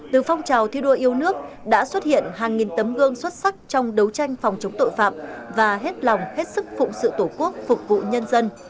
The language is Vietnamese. từ phong trào thi đua yêu nước đã xuất hiện hàng nghìn tấm gương xuất sắc trong đấu tranh phòng chống tội phạm và hết lòng hết sức phụng sự tổ quốc phục vụ nhân dân